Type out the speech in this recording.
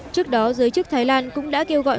trước đó giới chức thái lan cũng đã kêu gọi